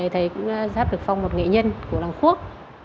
thầy cũng sắp được phong một nghệ nhân của làng quốc